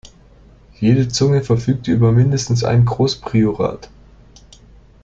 Jede Zunge verfügte über mindestens ein Großpriorat.